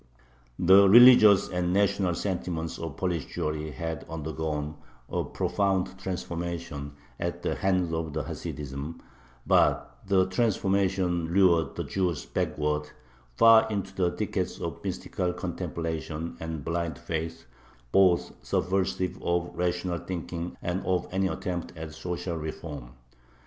The religious and national sentiments of Polish Jewry had undergone a profound transformation at the hands of Hasidism, but the transformation lured the Jews backward, far into the thickets of mystical contemplation and blind faith, both subversive of rational thinking and of any attempt at social reform.